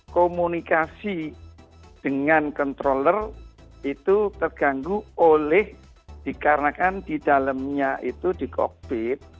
komunikasi dengan controller itu terganggu oleh dikarenakan di dalamnya itu di cockpit